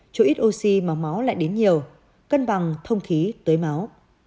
chỗ ít oxy mà máu lại đến nhiều cân bằng thông khí tới máu